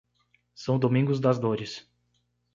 São Domingos das Dores